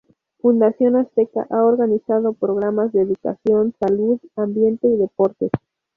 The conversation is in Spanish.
Fundación Azteca ha organizado programas de educación, salud, ambiente y deportes.